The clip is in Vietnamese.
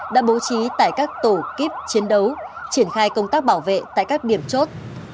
đã bố trí tại các tổ kíp chiến đấu triển khai công tác bảo vệ tại các điểm chốt